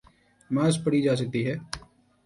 نماز پڑھی جاسکتی ہے۔